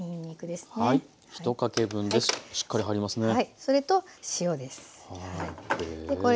それと塩です。